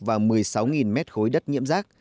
và một mươi sáu m khối đất nhiễm rác